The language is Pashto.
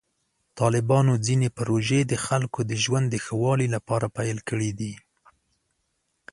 طالبانو ځینې پروژې د خلکو د ژوند د ښه والي لپاره پیل کړې دي.